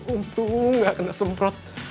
untung gak kena semprot